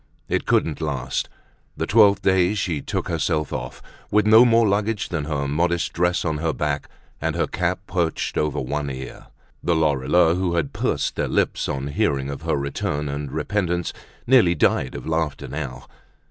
It couldn't last; the twelfth day she took herself off, with no more luggage than her modest dress on her back and her cap perched over one ear. The Lorilleuxs, who had pursed their lips on hearing of her return and repentance, nearly died of laughter now.